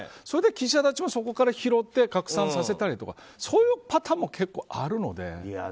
それで記者たちもそこから拾って拡散させたりとかいうパターンも結構あるので。